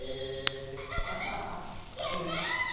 アハハハやった！